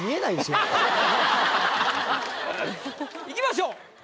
いきましょう。